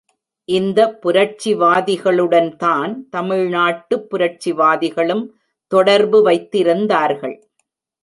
இந்த புரட்சிவாதிகளுடன் தான் தமிழ்நாட்டு புரட்சிவாதிகளும் தொடர்பு வைத்திருந்தார்கள்.